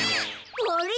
あれ？